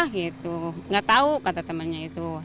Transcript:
gitu gak tau kata temennya itu